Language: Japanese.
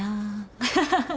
アハハハッ。